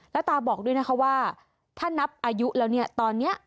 แล้วตาบอกด้วยนะคะว่าถ้านับอายุแล้วเนี่ยตอนนี้